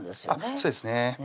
そうですね